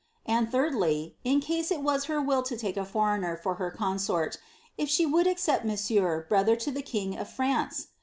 and, thirdly, in case it was her will to take a foreigner for her consort, if she would accept monsieur, brother to the king of France